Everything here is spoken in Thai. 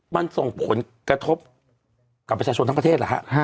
มันส่งผลกระทบกับประชาชนทั้งประเทศแหละฮะ